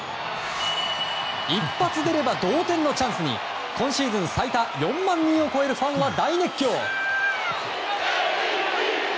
一発出れば同点のチャンスに今シーズン最多４万人を超えるファンは大熱狂。